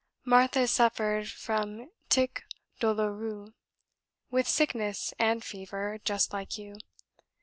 Martha has suffered from tic douloureux, with sickness and fever, just like you.